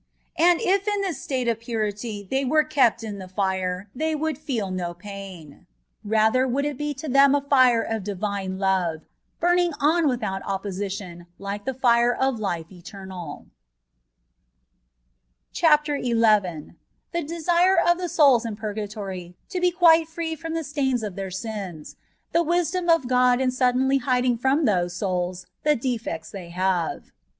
And if in this state of purity they were kept in the fire, they would feel no pain ; ra ther it would be to them a fire of Divine Love, bùming on without opposition, like the fire of life eternai. A TREATISE ON PUBOATORY. 15 CH AFTER XI. THB DBSIRE OF THB SODLS IN PUBOATORT TO BB QUITB FBEB FBOM THE STAINS OF THEIB SINS — THB WISDOM OF GOD IN SUDDENLT HIDIN6 FROM THOSE SOULS THE DEFECTS THET HATE.